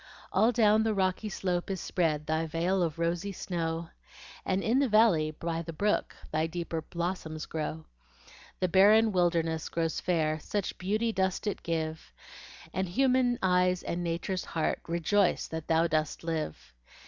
All down the rocky slope is spread Thy veil of rosy snow, And in the valley by the brook, Thy deeper blossoms grow. The barren wilderness grows fair, Such beauty dost thou give; And human eyes and Nature's heart Rejoice that thou dost live.